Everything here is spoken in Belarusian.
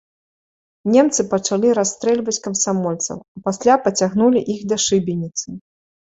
Немцы пачалі расстрэльваць камсамольцаў, а пасля пацягнулі іх да шыбеніцы.